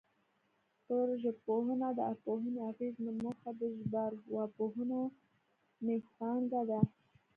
پر ژبپوهنه د ارواپوهنې اغېز نه موخه د ژبارواپوهنې منځپانګه ده